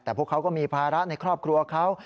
แต่พวกเขาก็มีภาระในครอบครัวเขา